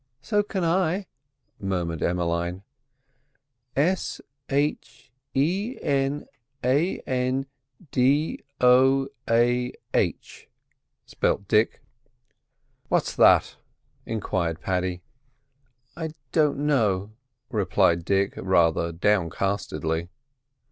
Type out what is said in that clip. "So c'n I," murmured Emmeline. "S H E N A N D O A H," spelt Dick. "What's that?" enquired Paddy. "I don't know," replied Dick, rather downcastedly.